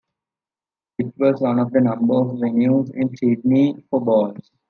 It was one of a number of venues in Sydney for balls.